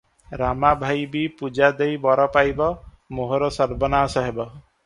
ରାମା ଭାଇ ବି ପୂଜା ଦେଇ ବର ପାଇବ, ମୋହର ସର୍ବନାଶ ହେବ ।